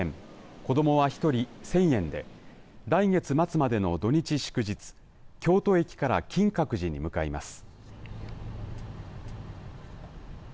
子どもは１人１０００円で来月末までの土日、祝日京都駅から金閣寺に向かいます。